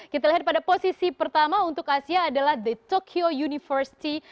kita lihat pada posisi pertama untuk asia adalah the tokyo university